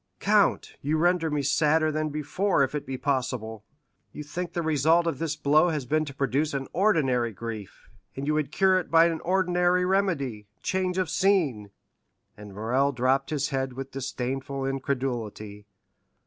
"Count, you render me sadder than before, if it be possible. You think the result of this blow has been to produce an ordinary grief, and you would cure it by an ordinary remedy—change of scene." And Morrel dropped his head with disdainful incredulity.